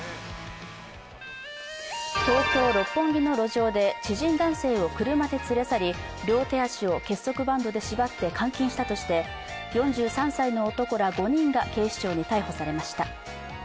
東京・六本木の路上で知人男性を車で連れ去り両手足を結束バンドで縛って監禁したとして、４３歳の男ら５人が警視庁に逮捕されました。